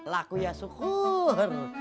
laku ya syukur